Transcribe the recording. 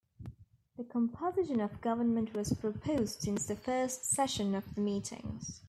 The composition of government was proposed since the first session of the meetings.